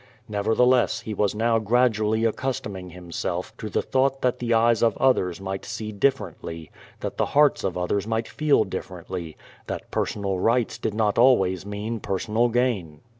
Nevertheless he was now gradually accustom ing himself to the thought that the eyes of others might see differently, that the hearts of others might feel differently, that personal rights did not always mean personal gain.